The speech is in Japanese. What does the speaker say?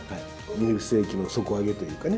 ミルクセーキの底上げというかね